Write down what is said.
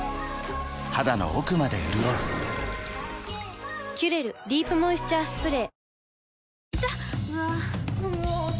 肌の奥まで潤う「キュレルディープモイスチャースプレー」